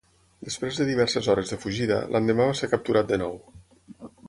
Després de diverses hores de fugida, l'endemà va ser capturat de nou.